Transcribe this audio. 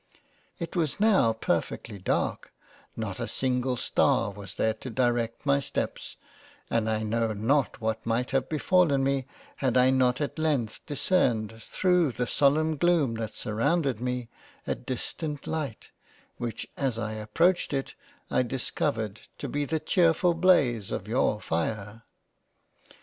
It was now perfectly dark, not a single star was there to direct my steps, and I know not what might have befallen me had 1 not at length discerned thro' the solemn Gloom that sur rounded me a distant light, which as I approached it, I dis covered to be the chearfull Blaze of your fire.